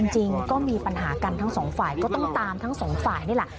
จริงก็มีปัญหากันทั้งสองฝ่ายก็ต้องตามทั้งสองฝ่ายนี่แหละ